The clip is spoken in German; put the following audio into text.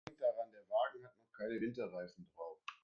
Denk daran, der Wagen hat noch keine Winterreifen drauf.